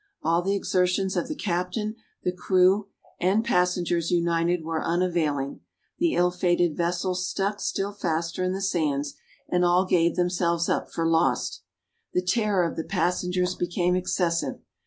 All the exertions of the captain, the crew and passengers united were unavailing. The ill fated vessel stuck still faster in the sands, and all gave themselves up for lost. The terror of the passengers became excessive.